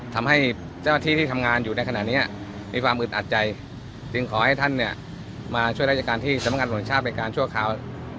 ทำให้เจ้าหน้าที่ที่ทำงานอยู่ในขณะนี้มีความอึดอัดใจจึงขอให้ท่านเนี่ยมาช่วยราชการที่สำนักงานหลวงชาติเป็นการชั่วคราว